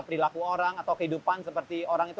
perilaku orang atau kehidupan seperti orang itu